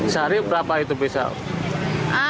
sehari berapa itu bisa